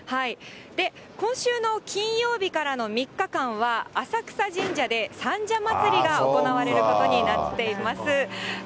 今週の金曜日からの３日間は、浅草神社で三社祭が行われることになっています。